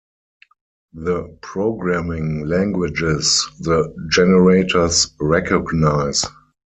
The programming languages the generators recognize.